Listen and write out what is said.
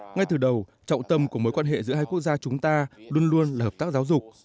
ngay từ đầu trọng tâm của mối quan hệ giữa hai quốc gia chúng ta luôn luôn là hợp tác giáo dục